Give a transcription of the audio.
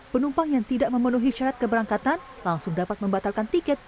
penumpang yang tidak memenuhi syarat keberangkatan langsung dapat membatalkan tiket